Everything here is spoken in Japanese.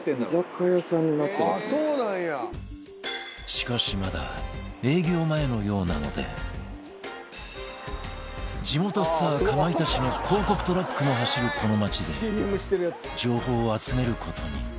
しかしまだ営業前のようなので地元スターかまいたちの広告トラックの走るこの街で情報を集める事に